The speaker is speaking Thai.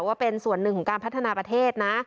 ว่าเป็นส่วนหนึ่งของการพัฒนาประเทศนะ